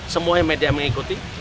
semua media mengikuti